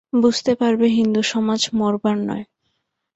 বুঝতে পারবে হিন্দুসমাজ মরবার নয়।